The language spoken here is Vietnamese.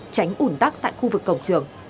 tránh ùn tắc tại khu vực cổng trường